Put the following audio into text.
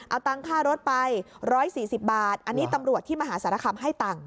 เอาตังค่ารถไป๑๔๐บาทอันนี้ตำรวจที่มหาสารคามให้ตังค์